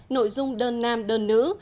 nội dung đơn nam đơn nữ